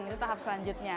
itu tahap selanjutnya